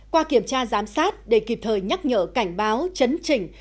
qua kiểm tra giám sát để kịp thời nhắc nhở cảnh báo chấn chỉnh